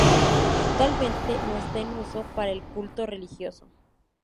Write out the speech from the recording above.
Actualmente no está en uso para el culto religioso.